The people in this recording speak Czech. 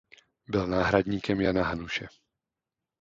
Byl náhradníkem Jana Hanuše.